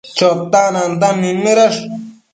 Chotac nantan nidnëdash